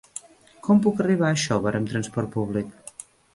Com puc arribar a Xóvar amb transport públic?